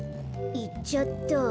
いっちゃった。